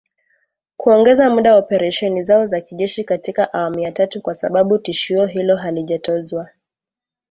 kuongeza muda wa operesheni zao za kijeshi katika awamu ya tatu kwa sababu tishio hilo halijatozwa